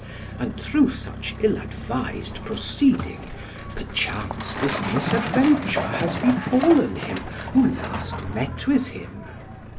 And through such ill advised proceeding, perchance this misadventure has befallen him who last met with him.